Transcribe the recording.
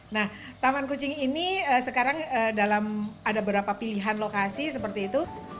nah taman kucing ini sekarang dalam ada beberapa pilihan lokasi seperti itu